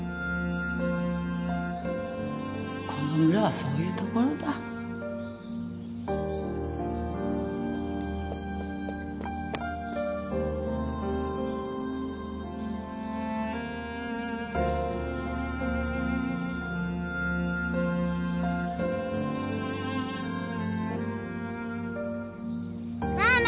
この村はそういう所だママ！